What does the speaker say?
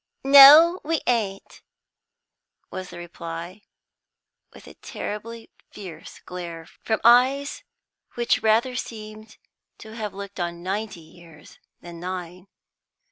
"No, we ain't," was the reply, with a terribly fierce glare from eyes which rather seemed to have looked on ninety years than nine.